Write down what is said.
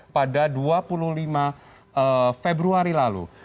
pada dua maret